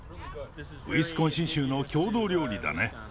ウィスコンシン州の郷土料理だね。